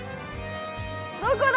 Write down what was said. どこだ！